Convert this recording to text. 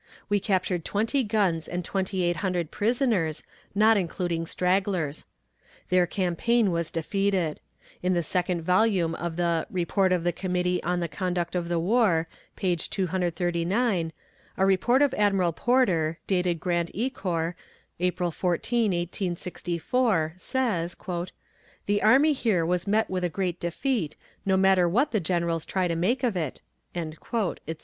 We captured twenty guns and twenty eight hundred prisoners, not including stragglers. Their campaign was defeated. In the second volume of the "Report of the Committee on the Conduct of the War," page 239, a report of Admiral Porter, dated Grand Ecore, April 14, 1864, says: "The army here has met with a great defeat, no matter what the generals try to make of it," etc.